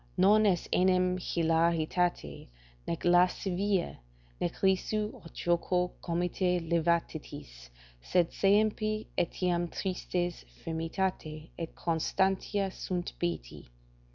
"Non est enim hilaritate, nec lascivia, nec risu, aut joco comite levitatis, sed saepe etiam tristes firmitate et constantia sunt beati."